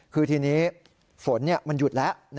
คือทีนี้ฝนมันหยุดแล้ว